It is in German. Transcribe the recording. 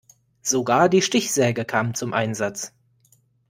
Sogar die Stichsäge kam zum Einsatz.